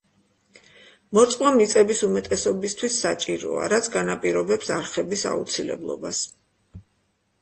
მორწყვა მიწების უმეტესობისთვის საჭიროა, რაც განაპირობებს არხების აუცილებლობას.